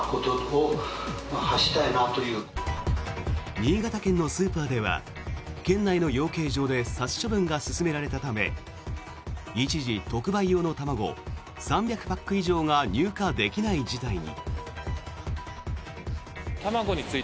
新潟県のスーパーでは県内の養鶏場で殺処分が進められたため一時、特売用の卵３００パック以上が入荷できない事態に。